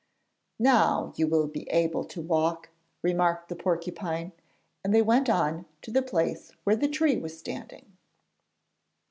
'Now you will be able to walk,' remarked the porcupine, and they went on to the place where the tree was standing.